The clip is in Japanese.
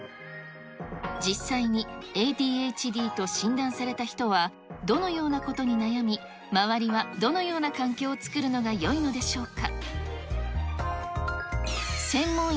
実際にＡＤＨＤと診断された人はどのようなことに悩み、周りはどのような環境を作るのがよいのでしょうか。